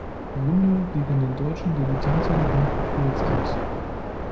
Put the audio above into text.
Runde gegen den deutschen Debütanten Nico Kurz aus.